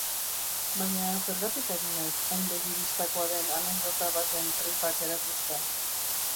Baina zergatik ari naiz hain begi bistakoa den anekdota baten tripak erakusten?